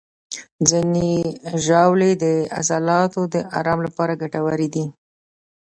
ځینې ژاولې د عضلاتو د آرام لپاره ګټورې دي.